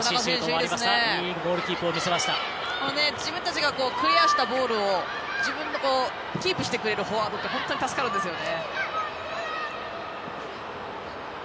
自分たちがクリアしたボールを自分でキープしてくれるフォワードって本当に助かるんですよね。